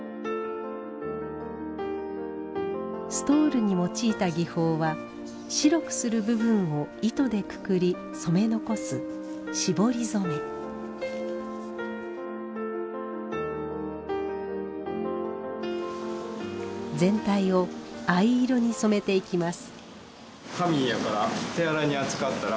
ストールに用いた技法は白くする部分を糸でくくり染め残す全体を藍色に染めていきます。